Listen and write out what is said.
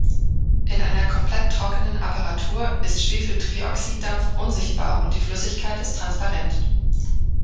In einer komplett trockenen Apparatur ist Schwefeltrioxiddampf unsichtbar und die Flüssigkeit ist transparent.